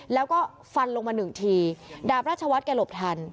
แล้วก็ฟันลงมาหนึ่งทีดาบราชวัฒน์แกหลบทัน